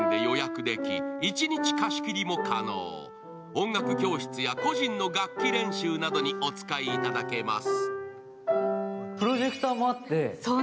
音楽教室や個人の楽器練習などにお使いいただけます。